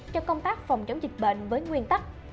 cho công tác phòng chống dịch bệnh với nguyên tắc